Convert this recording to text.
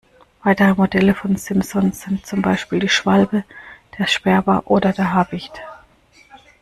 Weitere Modelle von Simson sind zum Beispiel die Schwalbe, der Sperber oder der Habicht.